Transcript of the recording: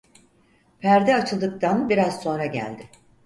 Perde açıldıktan biraz sonra geldi.